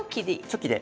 チョキで。